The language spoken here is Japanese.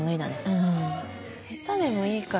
うん下手でもいいから